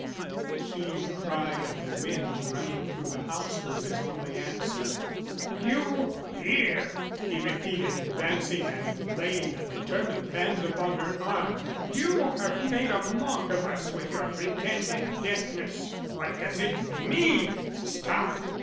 The keen cry of the wind running through the house was his only answer. "You hear!" he repeated, advancing and laying a determined hand upon her arm. "You have made a mock of us with your pretended deafness. What does it mean Stop!